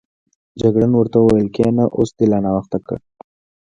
جګړن ورته وویل کېنه، اوس دې لا ناوخته کړ.